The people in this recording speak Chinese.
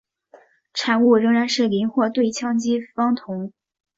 产物仍然是邻或对羟基芳酮。